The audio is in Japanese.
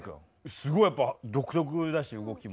すごいやっぱ独特だし動きも。